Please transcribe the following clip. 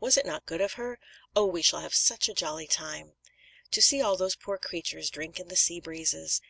Was it not good of her? Oh! we shall have such a jolly time. To see all those poor creatures drink in the sea breezes!